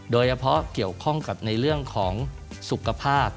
โดยเฉพาะเกี่ยวข้องกับในเรื่องของสุขภาพ